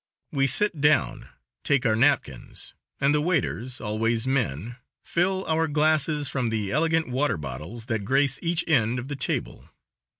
We sit down, take our napkins, and the waiters always men fill our glasses from the elegant water bottles that grace each end of the table.